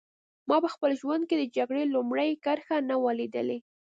ما په خپل ژوند کې د جګړې لومړۍ کرښه نه وه لیدلې